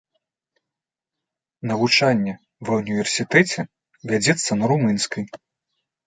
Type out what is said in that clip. Навучанне ва ўніверсітэце вядзецца на румынскай.